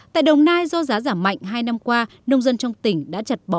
tại đồng nai do giá giảm mạnh hai năm qua nông dân trong tỉnh đã chặt bỏ